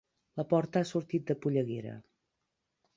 La porta ha sortit de polleguera.